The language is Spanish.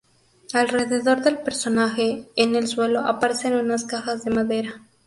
Alrededor del personaje, en el suelo, aparecen unas cajas de madera.